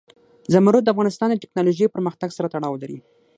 زمرد د افغانستان د تکنالوژۍ پرمختګ سره تړاو لري.